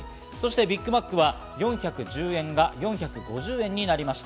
ビッグマックは４１０円が４５０円になりました。